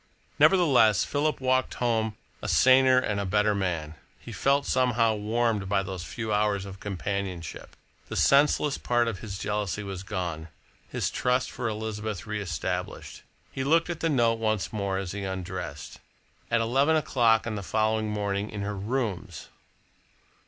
Nevertheless, Philip walked home a saner and a better man. He felt somehow warmed by those few hours of companionship. The senseless part of his jealousy was gone, his trust in Elizabeth reestablished. He looked at the note once more as he undressed. At eleven o'clock on the following morning in her rooms!